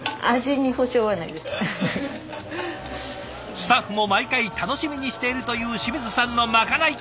スタッフも毎回楽しみにしているという清水さんのまかない。